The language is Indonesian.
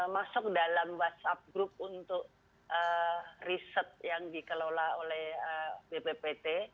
masuk dalam whatsapp group untuk riset yang dikelola oleh bppt